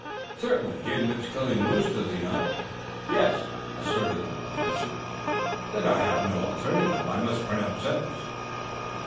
"Certainly. He admits killing the moose, does he not?" "Yes," assented the Professor. "Then I have no alternative. I must pronounce sentence."